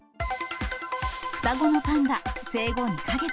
双子のパンダ、生後２か月。